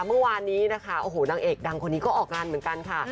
เมื่อวานนี้นะคะโอ้โหนางเอกดังคนนี้ก็ออกงานเหมือนกันค่ะ